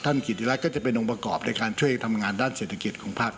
กิติรัฐก็จะเป็นองค์ประกอบในการช่วยทำงานด้านเศรษฐกิจของภาค